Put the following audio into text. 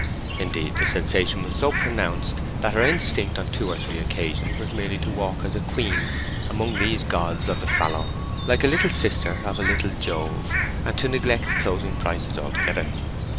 Indeed, the sensation was so pronounced that her instinct on two or three occasions was merely to walk as a queen among these gods of the fallow, like a little sister of a little Jove, and to neglect closing prices altogether.